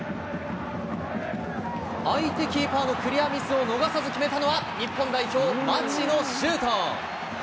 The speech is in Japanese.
相手キーパーのクリアミスを逃さず決めたのは日本代表、町野修斗。